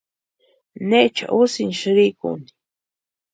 ¿Necha úsïni sïrikuni?